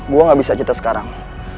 gue gak bisa cerita sekarang